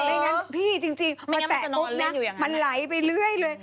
ไม่งั้นพี่จริงมาแตะปุ๊บนะมันไหลไปเรื่อยเลย